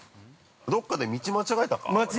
どこかで道間違えたか、我々。